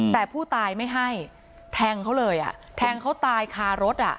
แต่ผู้ตายไม่ให้แทงเขาเลยอ่ะแทงเขาตายคารถอ่ะ